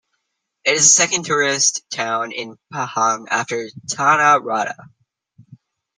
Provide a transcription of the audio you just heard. It is the second tourist town in Pahang after Tanah Rata.